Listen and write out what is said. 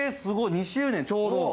２周年ちょうど。